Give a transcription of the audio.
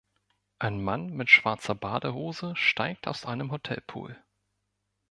Ein Mann mit schwarzer Badehose steigt aus einem Hotelpool.